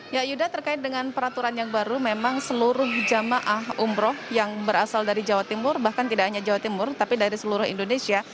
ya yuda terkait dengan peraturan yang baru memang seluruh jemaah umroh yang berasal dari jawa timur bahkan tidak hanya jawa timur tapi dari seluruh indonesia